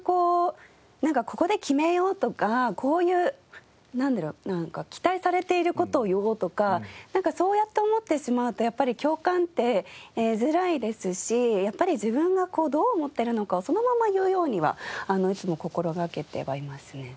なんかここで決めようとかこういうなんだろう期待されている事を言おうとかなんかそうやって思ってしまうとやっぱり共感って得づらいですし自分がどう思っているのかをそのまま言うようにはいつも心がけてはいますね。